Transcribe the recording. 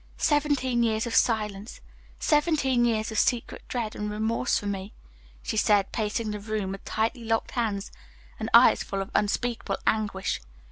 Seventeen years of silence, seventeen years of secret dread and remorse for me," she said, pacing the room with tightly locked hands and eyes full of unspeakable anguish.